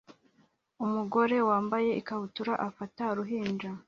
Umugore wambaye ikabutura afata uruhinja